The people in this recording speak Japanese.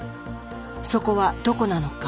そこはどこなのか。